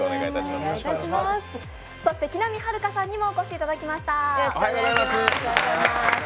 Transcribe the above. そして、木南晴夏さんにもお越しいただきました。